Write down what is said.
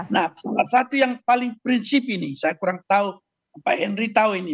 nah salah satu yang paling prinsip ini saya kurang tahu pak henry tahu ini